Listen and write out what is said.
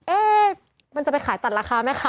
มันจะไปขายตัดราคาไหมคะ